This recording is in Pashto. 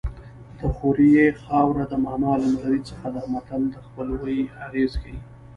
د خوریي خاوره د ماما له نغري څخه ده متل د خپلوۍ اغېز ښيي